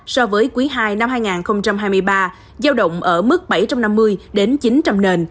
so với quý ii năm hai nghìn hai mươi ba giao động ở mức bảy trăm năm mươi đến chín trăm linh nền